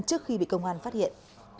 trước khi bị công an phát hiện